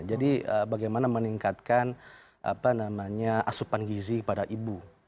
jadi bagaimana meningkatkan asupan gizi pada ibu